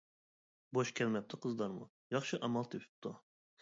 بوش كەلمەپتۇ قىزلارمۇ، ياخشى ئامال تېپىپتۇ.